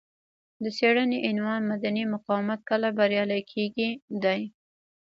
د څېړنې عنوان مدني مقاومت کله بریالی کیږي دی.